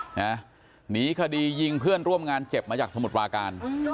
หนีคดียิงเพื่อนร่วมงานเจ็บมาจากสมุทรปราการ